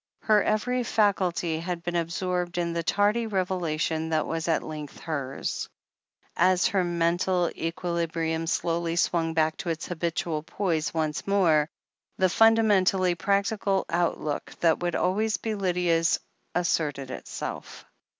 Her every faculty had been absorbed in the tardy revelation that was at length hers. As her mental equilibrium slowly swung back to its habitual poise once more, the fundamentally practical outlook that would always be Lydia's, asserted itself.